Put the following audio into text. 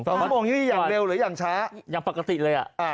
๒ชั่วโมงอยู่ที่อย่างเร็วหรือยังช้าอย่างปกติเลย